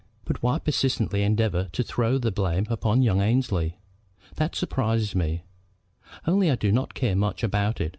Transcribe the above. But why persistently endeavor to throw the blame upon young Annesley? That surprises me; only I do not care much about it.